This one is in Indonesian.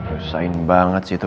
usahain banget sih itu